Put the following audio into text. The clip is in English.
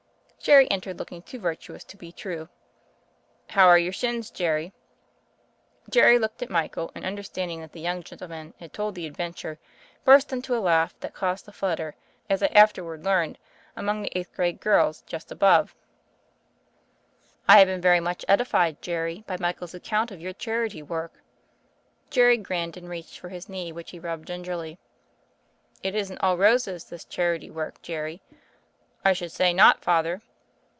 Jerry entered looking too virtuous to be true. "How are your shins, Jerry?" Jerry looked at Michael, and, understanding that the young gentleman had told the adven ture, burst into a laugh that caused a flutter, as I afterward learned, among the eighth grade girls just above. 62 THE FAIRY OF THE SNOWS "I have been very much edified, Jerry, by Michael's account of your charity work.'* Jerry grinned and reached for his knee which he rubbed gingerly. "It isn't all roses — ^this charity work, Jerry." "I should say not, Father."